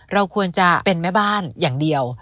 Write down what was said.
เราควรจะเป็นแม่บ้านอย่างเดียว